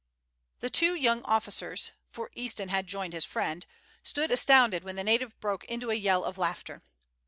The two young officers, for Easton had joined his friend, stood astounded when the native broke into a yell of laughter.